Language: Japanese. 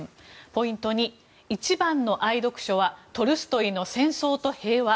ポイント２、一番の愛読書はトルストイの「戦争と平和」。